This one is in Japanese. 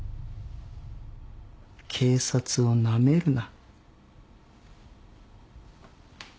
警察をなめるな。